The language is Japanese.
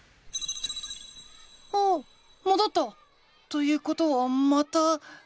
おおっもどった！ということはまた。